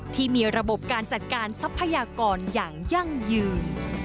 ที่มีระบบการจัดการทรัพยากรอย่างยั่งยืน